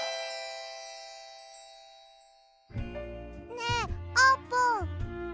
ねえあーぷん